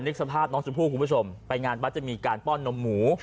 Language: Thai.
ในสภาพน้องสุภูมิคุณผู้ชมไปงานวัฒน์จะมีการป้อนหน่อยหมู